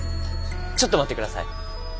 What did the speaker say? ちょっと待って下さい。